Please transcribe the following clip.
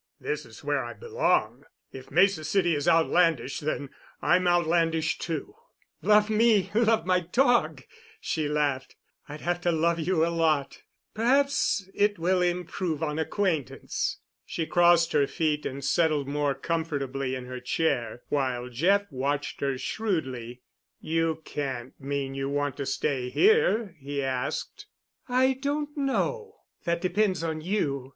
"This is where I belong. If Mesa City is outlandish, then I'm outlandish, too." "Love me, love my dog," she laughed. "I'd have to love you a lot. Perhaps it will improve on acquaintance." She crossed her feet and settled more comfortably in her chair, while Jeff watched her shrewdly. "You can't mean you want to stay here?" he asked. "I don't know. That depends on you.